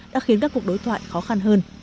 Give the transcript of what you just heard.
đã khiến các cuộc đối thoại khó khăn hơn